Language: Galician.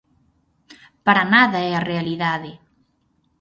Para nada é a realidade.